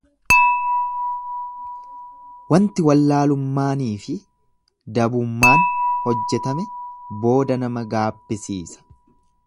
Wanti wallaalummaaniifi dabummaan hojjetame booda nama gaabbisiisa.